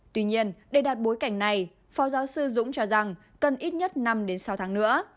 tuy nhiên để đạt bối cảnh này phó giáo sư dũng cho rằng cần ít nhất năm sáu tháng nữa